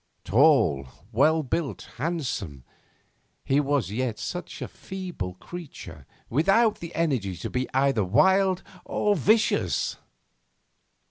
Tall, well built, handsome, he was yet such a feeble creature, without the energy to be either wild or vicious.